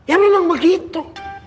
ya memang begitu